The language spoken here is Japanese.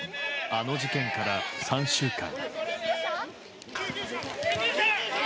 あの事件から３週間。